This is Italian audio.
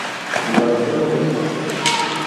Rimane fermo per tre mesi.